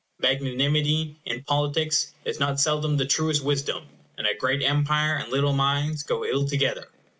Magnanimity in politics is not seldom the truest wisdom; and a great empire and little minds go ill together.